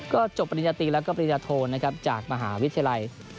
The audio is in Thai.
ก็จบปริญญาตีและปริญญาโทนจากมหาวิทยาลัย